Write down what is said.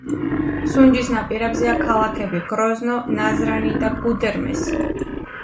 სუნჯის ნაპირებზეა ქალაქები: გროზნო, ნაზრანი და გუდერმესი.